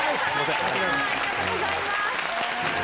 ありがとうございます！